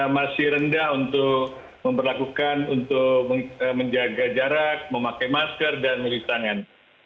masih rendah untuk memperlakukan untuk menjaga jarak memakai masker dan mencuci tangan